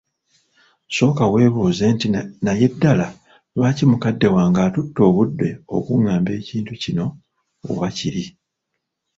Sooka webuuze nti naye ddala lwaki mukadde wange atutte obudde okungamba ekintu kino oba kiri?